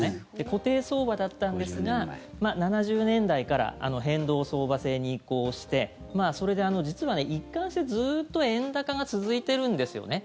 固定相場だったんですが７０年代から変動相場制に移行してそれで実は、一貫してずっと円高が続いているんですよね。